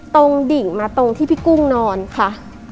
ดิ่งมาตรงที่พี่กุ้งนอนค่ะ